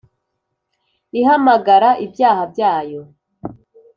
ihamagara ibyana byayo,